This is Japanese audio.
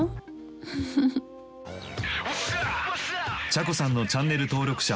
ちゃこさんのチャンネル登録者